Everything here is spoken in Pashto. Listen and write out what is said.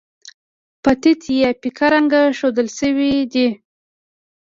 په تت یا پیکه رنګ ښودل شوي دي.